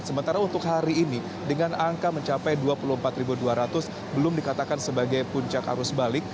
sementara untuk hari ini dengan angka mencapai dua puluh empat dua ratus belum dikatakan sebagai puncak arus balik